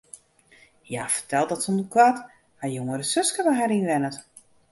Hja fertelt dat sûnt koart har jongere suske by har wennet.